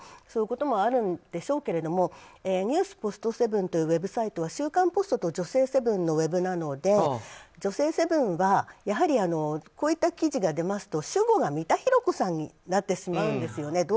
そういうこともあるんでしょうがＮＥＷＳポストセブンというウェブサイトは「週刊ポスト」と「女性セブン」のウェブなので「女性セブン」はこういった記事が出ますと主語が三田寛子さんになってしまうんですよね。